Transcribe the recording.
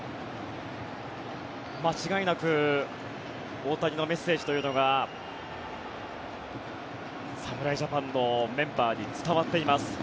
間違いなく大谷のメッセージというのが侍ジャパンのメンバーに伝わっています。